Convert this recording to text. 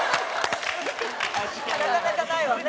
なかなかないわね。